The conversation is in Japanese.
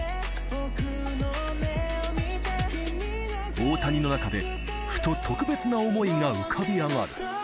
大谷の中で、ふと特別な思いが浮かび上がる。